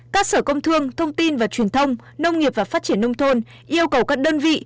các sở công thương thông tin và truyền thông nông nghiệp và phát triển nông thôn yêu cầu các đơn vị